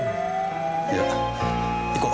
いや行こう。